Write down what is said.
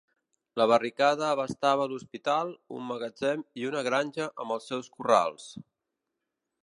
La barricada abastava l'hospital, un magatzem i una granja amb els seus corrals.